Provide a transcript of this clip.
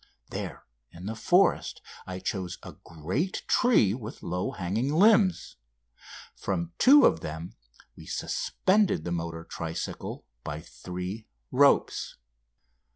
There in the forest I chose a great tree with low hanging limbs. From two of them we suspended the motor tricycle by three ropes.